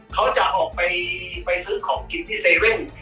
เขาจะออกไปซื้อของกินที่เซเว่น